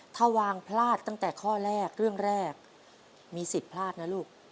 ถ้าวางพลาดตั้งแต่ข้อแรกเรื่องแรกมีสิทธิ์พลาดนะลูก